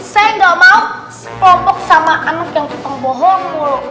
saya enggak mau kelompok sama anak yang cipeng bohong mulu